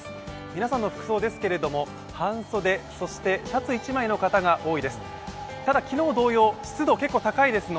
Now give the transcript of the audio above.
皆さんの服装ですけれども、半袖、そしてシャツ１枚の方が多いです。